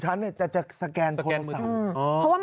ชั้นเนี่ยจะสแกนโทรศัพท์